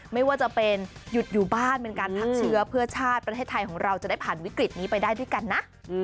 ไม่ว่าจะเป็นหยุดอยู่บ้านเป็นการพักเชื้อเพื่อชาติประเทศไทยของเราจะได้ผ่านวิกฤตนี้ไปได้ด้วยกันนะ